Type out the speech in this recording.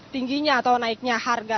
tingginya atau naiknya harga